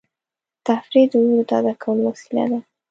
تفریح د روح د تازه کولو وسیله ده.